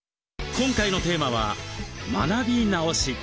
今回のテーマは「学び直し」。